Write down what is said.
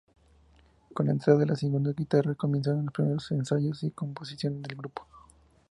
Con la entrada del segundo guitarra comienzan los primeros ensayos y composiciones del grupo.